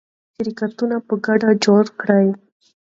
شرکتونه په ګډه جوړ کړئ.